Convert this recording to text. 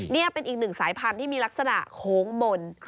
นี่เป็นอีกหนึ่งสายพันธุ์ที่มีลักษณะโค้งบน